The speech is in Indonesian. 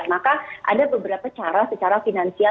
maka ada beberapa cara secara finansial